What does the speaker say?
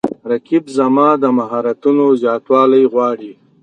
رقیب زما د مهارتونو زیاتوالی غواړي